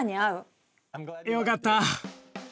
よかった。